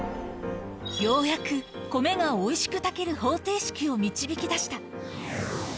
ようやく米がおいしく炊ける方程式を導き出した。